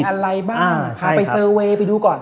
อะไรบ้างพาไปเซอร์เวย์ไปดูก่อน